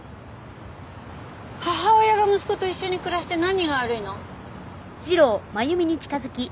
母親が息子と一緒に暮らして何が悪いの？